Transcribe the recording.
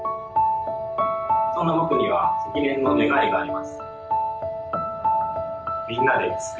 そんな僕には積年の願いがあります。